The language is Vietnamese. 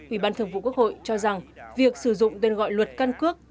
ủy ban thường vụ quốc hội cho rằng việc sử dụng tên gọi luật căn cước